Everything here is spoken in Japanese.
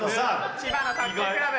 千葉の卓球クラブ！